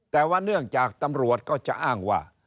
แต่ว่าเนื่องจากตำรวจก็จะอ้างว่า